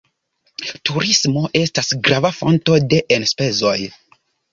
Turismo estas grava fonto de enspezoj.